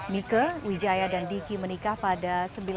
mika wijaya dan diki menikah pada seribu sembilan ratus sembilan puluh